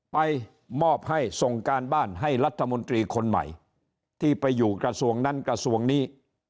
ไปมอบให้ส่งการบ้านให้รัฐมนตรีคนใหม่ที่ไปอยู่กระทรวงนั้นกระทรวงนี้